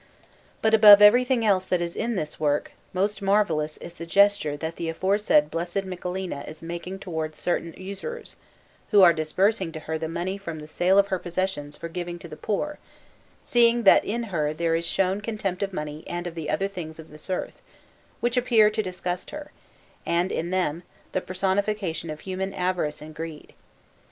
But above everything else that is in this work, most marvellous is the gesture that the aforesaid Blessed Michelina is making towards certain usurers, who are disbursing to her the money from the sale of her possessions for giving to the poor, seeing that in her there is shown contempt of money and of the other things of this earth, which appear to disgust her, and, in them, the personification of human avarice and greed.